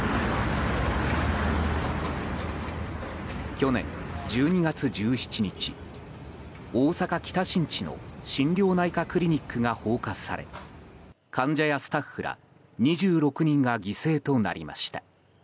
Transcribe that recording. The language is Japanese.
去年１２月１７日大阪・北新地の心療内科クリニックが放火され患者やスタッフら２６人が犠牲となりました。